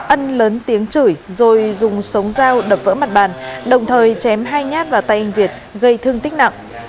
ân lớn tiếng chửi rồi dùng sống dao đập vỡ mặt bàn đồng thời chém hai nhát vào tay anh việt gây thương tích nặng